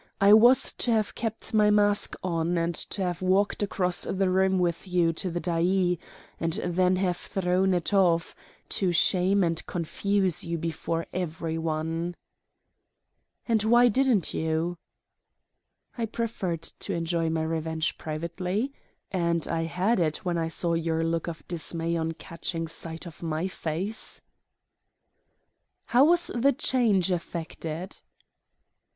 I was to have kept my mask on and to have walked across the room with you to the dais, and then have thrown it off, to shame and confuse you before every one." "And why didn't you?" "I preferred to enjoy my revenge privately. And I had it when I saw your look of dismay on catching sight of my face." "And how was the change effected?"